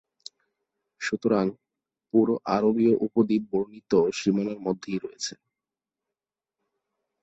সুতরাং, পুরো আরবীয় উপদ্বীপ বর্ণিত সীমানার মধ্যেই রয়েছে।